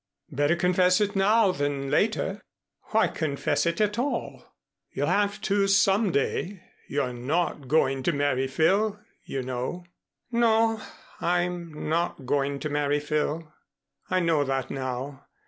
"Better confess it now than later." "Why confess it at all?" "You'll have to some day. You're not going to marry Phil, you know." "No, I'm not going to marry Phil. I know that now.